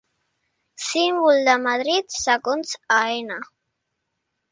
Símbol de Madrid segons Aena.